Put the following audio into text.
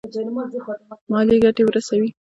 مالي ګټي ورسوي.